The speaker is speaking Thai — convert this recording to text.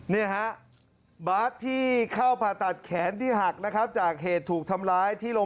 นี่ฮะบาสที่เข้าผ่าตัดแขนที่หักนะครับจากเหตุถูกทำร้ายที่โรง